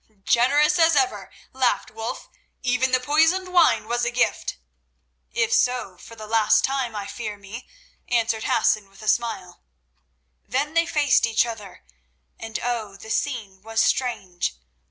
"Generous as ever," laughed Wulf. "Even the poisoned wine was a gift!" "If so, for the last time, I fear me," answered Hassan with a smile. Then they faced each other, and oh! the scene was strange.